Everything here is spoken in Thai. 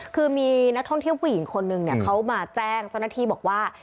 คือมีนักท่องเที่ยวผู้หญิงคนนึงเนี่ยเขามาแจ้งเจ้าหน้าที่บอกว่า